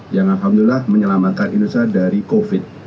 yang alhamdulillah menyelamatkan indonesia dari covid